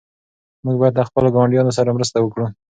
موږ باید له خپلو ګاونډیانو سره مرسته وکړو.